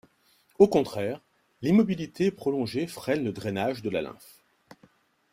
Au contraire, l'immobilité prolongée freine le drainage de la lymphe.